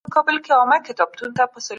واکمن پوړ پر خلکو واکمني کوي.